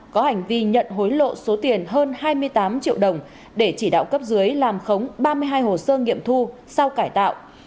có hành vi nhận hối lộ số tiền hơn hai mươi tám triệu đồng để chỉ đạo cấp dưới làm khống ba mươi hai hồ sơ nghiệm thu sau cải tạo